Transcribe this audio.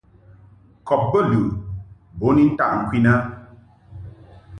Kɔb bə lɨʼ bo ni ntaʼ ŋkwin a.